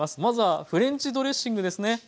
まずはフレンチドレッシングですね。